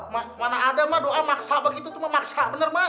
ma mana ada ma doa maksa begitu tuh ma maksa bener ma